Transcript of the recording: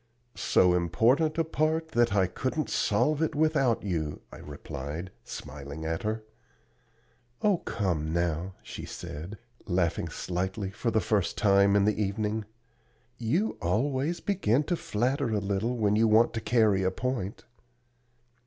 "So important a part that I couldn't solve it without you," I replied, smiling at her. "Oh, come now," she said, laughing slightly for the first time in the evening; "you always begin to flatter a little when you want to carry a point."